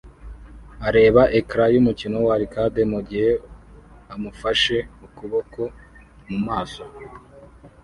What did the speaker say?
areba ecran yumukino wa arcade mugihe amufashe ukuboko mumaso